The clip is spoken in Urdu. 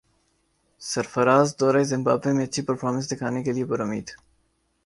سرفرازدورہ زمبابوے میں اچھی پرفارمنس دکھانے کیلئے پر امید